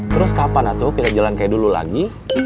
terus kapan tuh kita jalan kayak dulu lagi